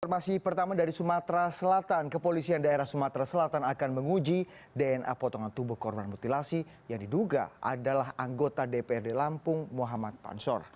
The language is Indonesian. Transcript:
informasi pertama dari sumatera selatan kepolisian daerah sumatera selatan akan menguji dna potongan tubuh korban mutilasi yang diduga adalah anggota dprd lampung muhammad pansor